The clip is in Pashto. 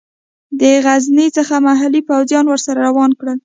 د غزني څخه محلي پوځیان ورسره روان کړل.